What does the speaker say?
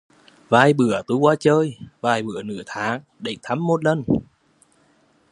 Vài bữa tui qua chơi, Vài bữa nửa tháng, đến thăm một lần